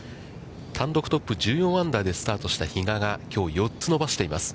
単独トップ１４アンダーでスタートした比嘉がきょう４つ伸ばしています。